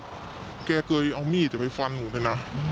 แกเคยเอามีดไปฟันหนูเลยนะ